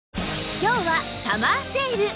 今日はサマーセール